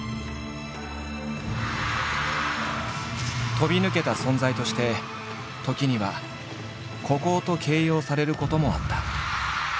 飛び抜けた存在として時には「孤高」と形容されることもあった。